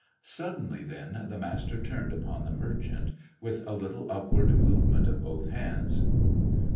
Suddenly then, the Master turned upon the merchant, with a little upward movement of both hands.